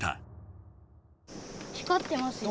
光ってますよ。